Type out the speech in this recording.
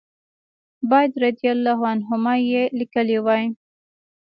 باید رضی الله عنهما یې لیکلي وای.